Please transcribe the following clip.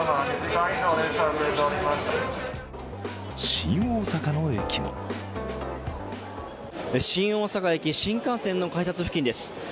新大阪の駅も新大阪駅新幹線の改札付近です。